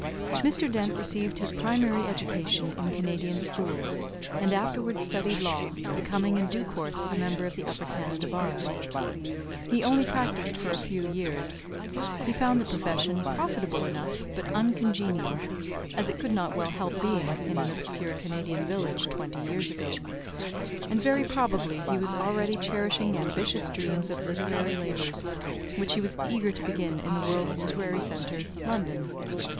Mr. Dent received his primary education in Canadian schools, and afterwards studied law, becoming in due course a member of the Upper Canada Bar. He only practised for a few years. He found the profession profitable enough but uncongenial as it could not well help being, in an obscure Canadian, village, twenty years ago and very probably he was already cherishing ambitious dreams of literary labors, which he was eager to begin in the world's literary centre, London.